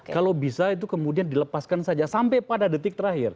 kalau bisa itu kemudian dilepaskan saja sampai pada detik terakhir